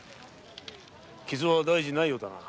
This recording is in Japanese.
傷は大事ないようだな。